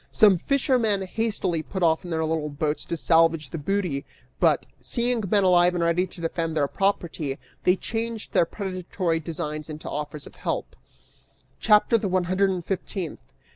Some fishermen hastily put off in their little boats to salvage their booty, but, seeing men alive and ready to defend their property, they changed their predatory designs into offers of help. CHAPTER THE ONE HUNDRED AND FIFTEENTH.